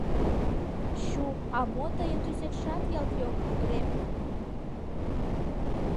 Чу, а мо тыйын тӱсетшат ялт йомын, ӱдырем?